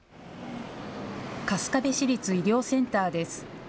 春日部市立医療センターです。